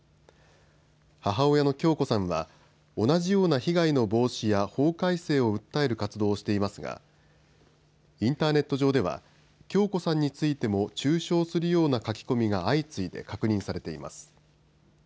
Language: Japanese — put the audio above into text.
母親の響子さんは同じような被害の防止や法改正を訴える活動をしていますがインターネット上では響子さんについても中傷するような書き込みが相次いで確認されています。